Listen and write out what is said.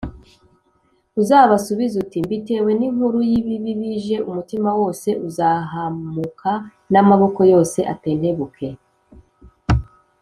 Uzabasubize uti ‘Mbitewe n’inkuru y’ibibi bije, umutima wose uzahamuka n’amaboko yose Atentebuke